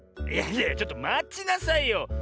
いやいやちょっとまちなさいよ！